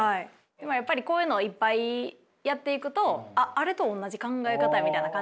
でもやっぱりこういうのをいっぱいやっていくとあっあれと同じ考え方やみたいな感じで。